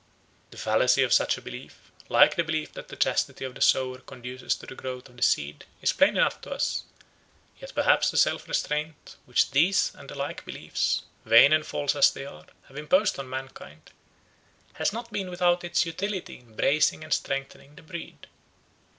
The fallacy of such a belief, like the belief that the chastity of the sower conduces to the growth of the seed, is plain enough to us; yet perhaps the self restraint which these and the like beliefs, vain and false as they are, have imposed on mankind, has not been without its utility in bracing and strengthening the breed.